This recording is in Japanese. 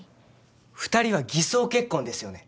二人は偽装結婚ですよね